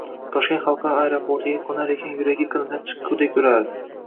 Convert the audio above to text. Toshkent xalqaro aeroportiga qo`nar ekan yuragi qinidan chiqqudek urardi